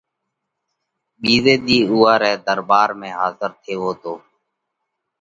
ٻِيزئہ ۮِي اُوئا رئہ ۮرٻار ۾ حاضر ٿيوو تو۔